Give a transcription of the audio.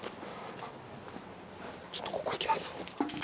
ちょっとここ行きます。